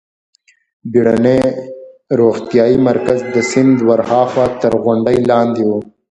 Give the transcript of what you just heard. بېړنی روغتیايي مرکز د سیند ورهاخوا تر غونډۍ لاندې و.